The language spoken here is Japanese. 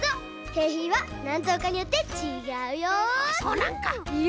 けいひんはなんとうかによってちがうよ。